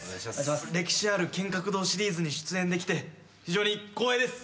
歴史ある剣客道シリーズに出演できて非常に光栄です。